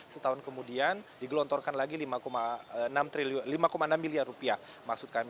setahun kemudian digelontorkan lagi lima enam miliar rupiah maksud kami